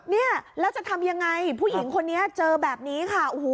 เนี่ยแล้วจะทำยังไงผู้หญิงคนนี้เจอแบบนี้ค่ะโอ้โห